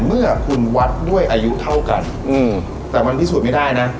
เมื่อคุณวัดด้วยอายุเท่ากันแต่มันพิสูจน์ไม่ได้นะ